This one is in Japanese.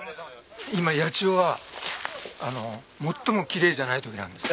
今八千穂は最もきれいじゃない時なんです。